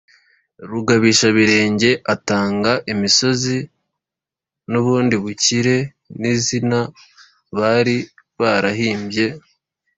rugabishabirenge: utanga imisozi n’ubundi bukire ni izina bari barahimbye